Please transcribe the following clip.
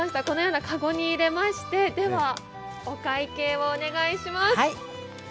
このような籠に入れまして、お会計をお願いします。